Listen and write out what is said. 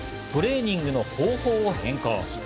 トレーニングの方法を変更。